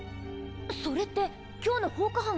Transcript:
それって今日の放火犯が。